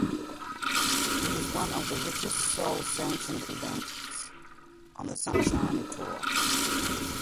It is one of the richest sole-sanctioned events on the Sunshine Tour.